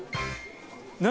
何？